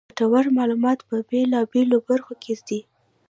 ګټورمعلومات په بېلا بېلو برخو کې دي.